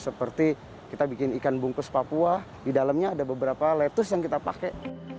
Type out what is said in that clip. seperti kita bikin ikan bungkus papua di dalamnya ada beberapa lettuce yang kita pakai